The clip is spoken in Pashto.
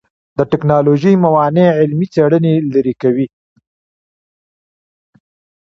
د ټکنالوژۍ موانع علمي څېړنې لرې کوي.